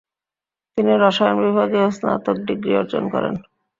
তিনি রসায়ন বিভাগেও স্নাতক ডিগ্রি অর্জন করেন।